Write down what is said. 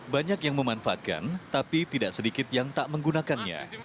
banyak yang memanfaatkan tapi tidak sedikit yang tak menggunakannya